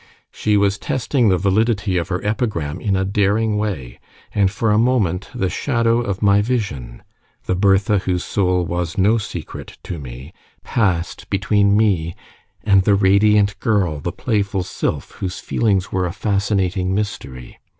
She was testing the validity of her epigram in a daring way, and for a moment the shadow of my vision the Bertha whose soul was no secret to me passed between me and the radiant girl, the playful sylph whose feelings were a fascinating mystery.